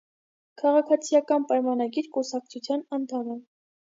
«Քաղաքացիական պայմանագիր» կուսակցության անդամ է։